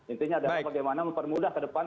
intinya adalah bagaimana mempermudah ke depan